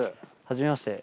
初めまして。